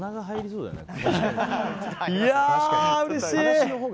いやー、うれしい！